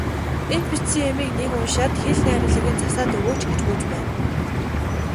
Энэ бичсэн юмыг нэг уншаад хэл найруулгыг нь засаад өгөөч, гуйж байна.